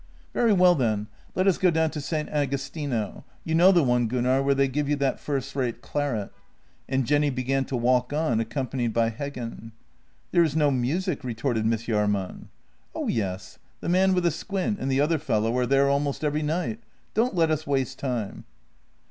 " Very well, then, let us go down to St. Agostino; you know the one, Gunnar, where they give you that first rate claret," and Jenny began to walk on, accompanied by Heggen. " There is no music," retorted Miss Jahrman. " Oh yes, the man with a squint and the other fellow are there almost every night. Don't let us waste time."